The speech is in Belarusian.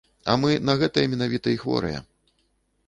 А мы на гэтае менавіта і хворыя.